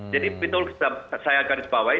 jadi pintu saya garis bawahi